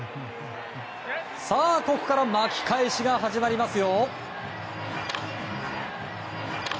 さあ、ここから巻き返しが始まりますよ。